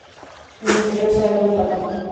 En su interior se abre un patio.